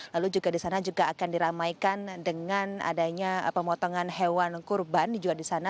lalu juga di sana juga akan diramaikan dengan adanya pemotongan hewan kurban juga di sana